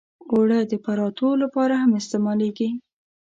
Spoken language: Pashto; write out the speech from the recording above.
اوړه د پراتو لپاره هم استعمالېږي